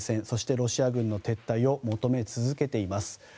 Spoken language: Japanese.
そして、ロシア軍の撤退を求め続けています。